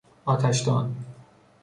آتشدان